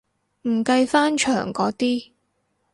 唔計翻牆嗰啲